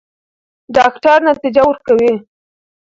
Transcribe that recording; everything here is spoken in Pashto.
ډاکټره نتیجه ورکوي.